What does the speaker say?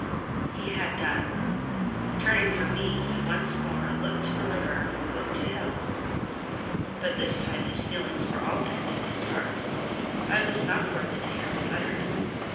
He had done. Turning from me, he once more "Looked to river, looked to hill." But this time his feelings were all pent in his heart: I was not worthy to hear them uttered.